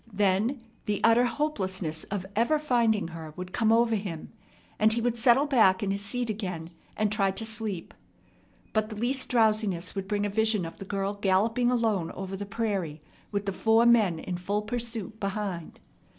Then the utter hopelessness of ever finding her would come over him, and he would settle back in his seat again and try to sleep. But the least drowsiness would bring a vision of the girl galloping alone over the prairie with the four men in full pursuit behind.